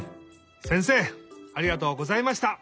せんせいありがとうございました。